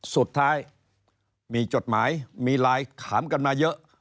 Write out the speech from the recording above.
สุดท้ายมีจดหมายมีไลน์ถามกันมาเยอะ